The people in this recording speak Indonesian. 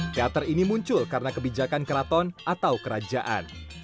teater ini muncul karena kebijakan keraton atau kerajaan